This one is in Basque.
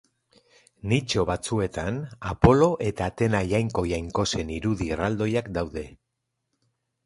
Nitxo batzuetan Apolo eta Atena jainko-jainkosen irudi erraldoiak daude.